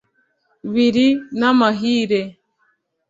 biri n'amahire